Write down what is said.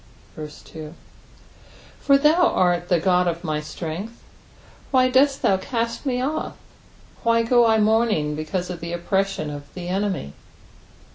2 For thou art the God of my strength : why dost thou cast me off? why go I mourning because of the oppression of the enemy